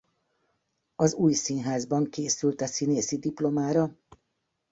Az Új Színházban készült a színészi diplomára.